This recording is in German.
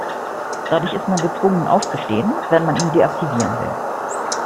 Dadurch ist man gezwungen aufzustehen, wenn man ihn deaktivieren will.